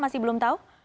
masih belum tahu